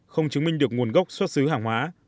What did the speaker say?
không chứng minh được nguồn gốc xuất xứ hàng hóa